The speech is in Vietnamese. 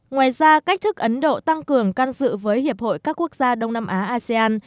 ngoài ra cách thức ấn độ tăng cường can dự với hiệp hội các quốc gia đông nam á asean